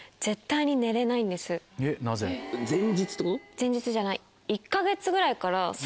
前日じゃない。